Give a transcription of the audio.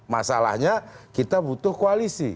masalahnya kita butuh koalisi